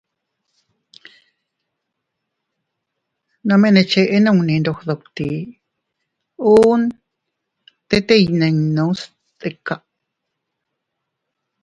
Nome ne cheʼe nunni ndog dutti, uun tete iynninnu stika.